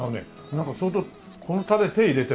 なんか相当このタレ手入れてる？